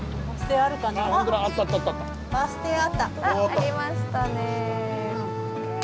ありましたね。